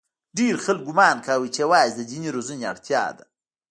ډېرو خلکو ګومان کاوه چې یوازې د دیني روزنې اړتیا ده.